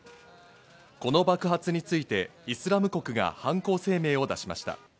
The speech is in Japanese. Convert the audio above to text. この爆発についてイスラム国が犯行声明を出しました。